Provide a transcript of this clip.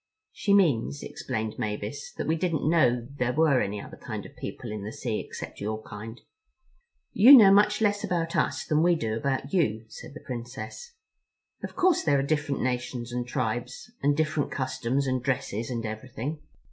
"She means," explained Mavis, "that we didn't know there were any other kind of people in the sea except your kind." "You know much less about us than we do about you," said the Princess. "Of course there are different nations and tribes, and different customs and dresses and everything.